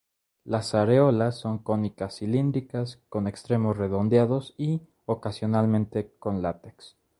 Las areolas son cónicas cilíndricas con extremos redondeados, y, ocasionalmente, con latex.